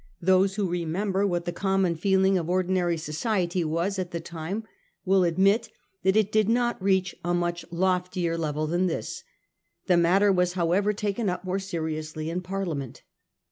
Those who remember what the common feeling of ordinary society was at the time, will admit that it did not reach a much loftier level than this. The matter was, however, taken up more seriously in Parliament.